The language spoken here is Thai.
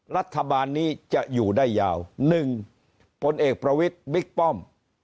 รัฐบาลนี้จะอยู่ได้ยาว๑พลเอกประวิทย์บิ๊กป้อม